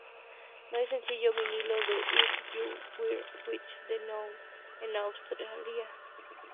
No hay sencillo vinilo de "If you were with me now" en Australia.